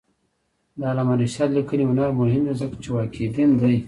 د علامه رشاد لیکنی هنر مهم دی ځکه چې واقعبین دی.